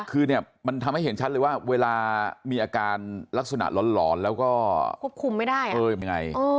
คือเนี่ยมันทำให้เห็นชัดเลยว่าเวลามีอาการลักษณะหลอนแล้วก็ควบคุมไม่ได้เออเป็นยังไง